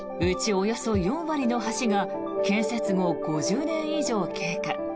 およそ４割の橋が建設後５０年以上経過。